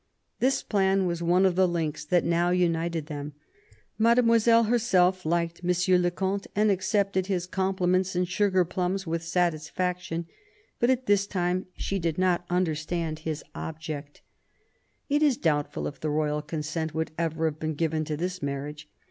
This plan was one of the links that now united them. Mademoiselle herself liked Monsieur le Comte, and accepted his compliments and sugar plums with satisfaction : but at this time she did not understand his object. 262 CARDINAL DE RICHELIEU It is doubtful if the royal consent would ever have been given to this marriage.